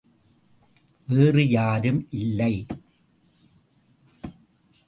வேறு யாரும் இல்லை!